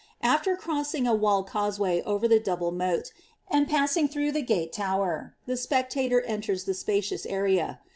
After crosv ing a walled causeway over the double moat,* and passing through the gate tower, the spectator enters the spacious area.